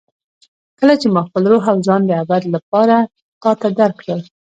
کله چې ما خپل روح او ځان د ابد لپاره تا ته درکړل.